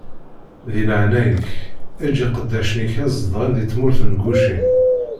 Di leɛnaya-k, eǧǧ iqeddacen-ik ad zedɣen di tmurt n Gucin.